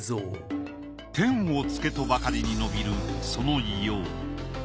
天を衝けとばかりに伸びるその威容。